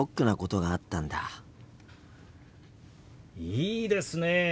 いいですねえ。